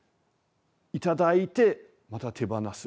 頂いてまた手放す。